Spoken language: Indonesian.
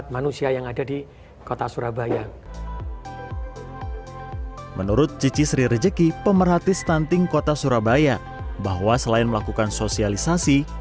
menurut cici sri rejeki pemerhati stunting kota surabaya bahwa selain melakukan sosialisasi